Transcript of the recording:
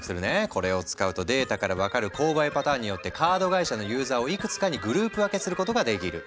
これを使うとデータから分かる購買パターンによってカード会社のユーザーをいくつかにグループ分けすることができる。